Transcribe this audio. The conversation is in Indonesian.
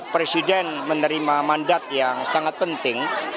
presiden menerima mandat yang sangat penting